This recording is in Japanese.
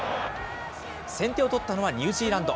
先手を取ったのはニュージーランド。